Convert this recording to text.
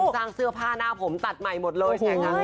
สร้างเสื้อผ้าหน้าผมตัดใหม่หมดเลย